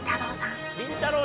りんたろー。